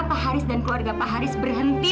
pak haris dan keluarga pak haris berhenti